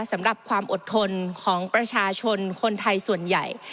สำหรับความอดทนของประชาชนคนไทยส่วนใหญ่